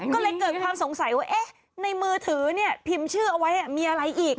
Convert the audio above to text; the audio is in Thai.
ก็เลยเกิดความสงสัยว่าเอ๊ะในมือถือเนี่ยพิมพ์ชื่อเอาไว้มีอะไรอีก